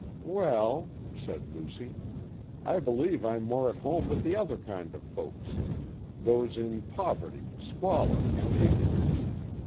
"Well," said Lucy, "I believe I'm more at home with the other kind of folks those in poverty, squalor, and ignorance.